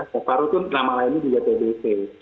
flag paru itu nama lainnya juga tbc